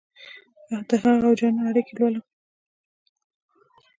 دهغه اودجانان اړیکې لولم